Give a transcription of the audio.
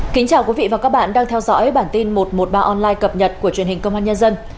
kính chào quý vị và các bạn đang theo dõi bản tin một trăm một mươi ba online cập nhật của truyền hình công an nhân dân